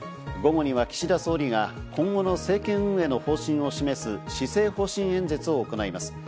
午後には岸田総理が今後の政権運営の方針を示す施政方針演説を行います。